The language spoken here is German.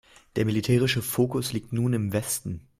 Der militärische Fokus liegt nun im Westen.